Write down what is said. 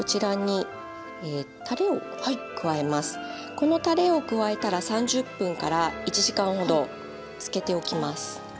このたれを加えたら３０分１時間ほど漬けておきます。